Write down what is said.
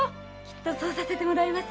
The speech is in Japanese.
そうさせてもらいます。